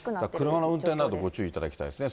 車の運転などご注意いただきたいですね。